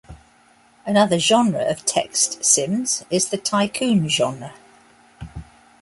Another genre of text sims is the tycoon genre.